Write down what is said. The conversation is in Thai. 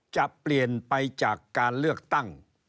จะเปลี่ยนไปจากการเลือกตั้ง